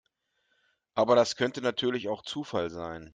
Aber das könnte natürlich auch Zufall sein.